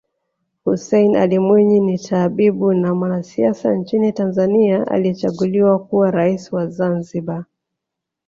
Hussein Ali Mwinyi ni tabibu na mwanasiasa nchini Tanzania aliyechaguliwa kuwa rais wa Zanzibar